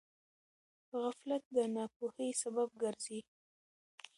غفلت د ناپوهۍ سبب ګرځي.